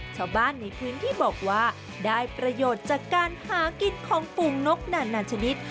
ชาวบ้านในพื้นที่บอกว่าได้ประโยชน์จากการหากินของปูงนกนานาชนิด